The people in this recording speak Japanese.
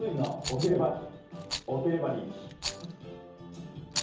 置ければリーチ。